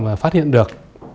và phát hiện được